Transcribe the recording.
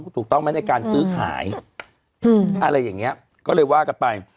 ถูกต้องไหมในการซื้อขายอะไรอย่างนี้ก็เลยว่ากันไป